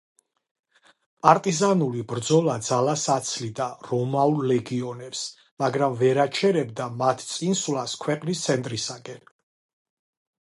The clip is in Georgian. პარტიზანული ბრძოლა ძალას აცლიდა რომაულ ლეგიონებს, მაგრამ ვერ აჩერებდა მათ წინსვლას ქვეყნის ცენტრისაკენ.